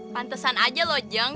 pantesan aja loh jang